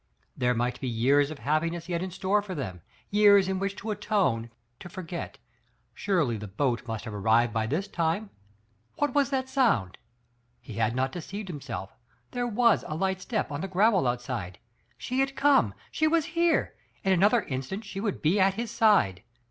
There might be* years of happi ness yet in store for them — years in which to atone, to forget. Surely the boat must have arrived by this time! What was that sound? He had not deceived himself ; there was a light step on the gravel outside. She had come, she was here, in another instant she would be at his side